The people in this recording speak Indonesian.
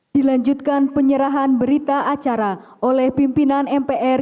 selanjutnya penandatanganan oleh pimpinan mpr